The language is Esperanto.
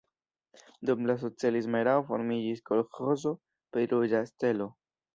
Dum la socialisma erao formiĝis kolĥozo pri Ruĝa Stelo.